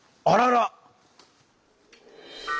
あらら！